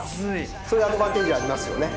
そういうアドバンテージありますよね。